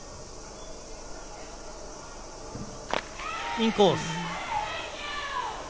インコース。